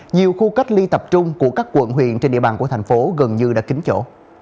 nhiều khu cách ly tập trung của các quận huyện trên địa bàn của thành phố gần như đã kính chỗ